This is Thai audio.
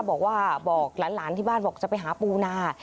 บอกว่าบอกหลานที่บ้านบอกจะไปหาปูนา